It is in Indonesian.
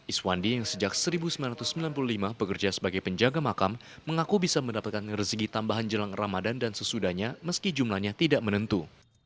iswandi yang sejak seribu sembilan ratus sembilan puluh lima bekerja sebagai penjaga makam mengaku bisa mendapatkan rezeki tambahan jelang ramadan dan sesudahnya meski jumlahnya tidak menentu